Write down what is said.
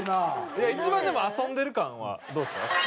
いや一番でも遊んでる感はどうですか？